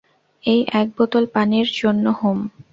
ওই এক বোতল পানির জন্য হুম।